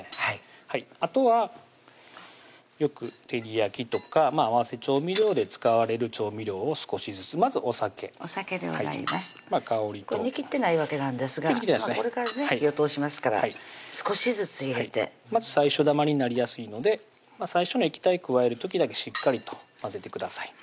あとはよく照り焼きとか合わせ調味料で使われる調味料を少しずつまずお酒お酒でございます煮きってないわけなんですがこれからね火を通しますから少しずつ入れてまず最初ダマになりやすいので最初の液体加える時だけしっかりと混ぜてください